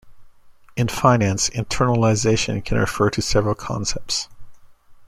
In finance, internalization can refer to several concepts.